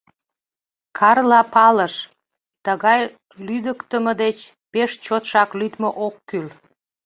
Карла палыш: тыгай лӱдыктымӧ деч пеш чотшак лӱдмӧ ок кӱл.